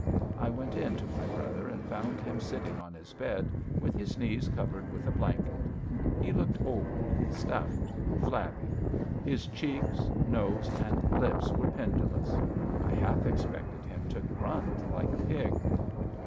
I went in to my brother and found him sitting on his bed with his knees covered with a blanket; he looked old, stout, flabby; his cheeks, nose, and lips were pendulous. I half expected him to grunt like a pig.